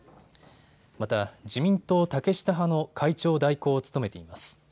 また自民党竹下派の会長代行を務めています。